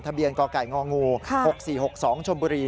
ทะเบียนก่อก่ายงองู๖๔๖๒ชนบุรี